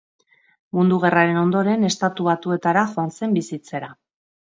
Mundu Gerraren ondoren, Estatu Batuetara joan zen bizitzera.